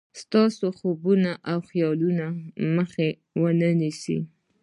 ستاسې د خوبونو او خيالونو مخه و نه نيسي.